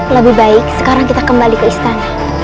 lebih baik sekarang kita kembali ke istana